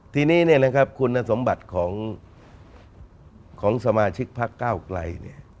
ทีนี้คุณสมบัติของสมาชิกพักเก้าไกล